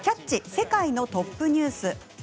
世界のトップニュース」。